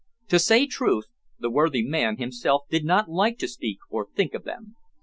To say truth, the worthy man himself did not like to speak or think of them.